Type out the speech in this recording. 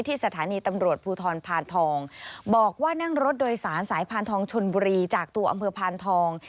สถานีตำรวจภูทรพานทองบอกว่านั่งรถโดยสารสายพานทองชนบุรีจากตัวอำเภอพานทอง